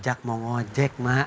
jatuh mau ngojek mak